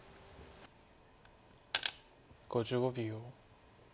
５５秒。